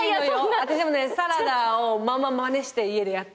私もサラダをまんままねして家でやったよ。